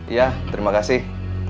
iya terima kasih